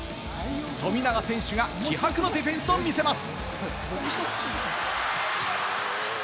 富永選手が気迫のディフェンスを見せます。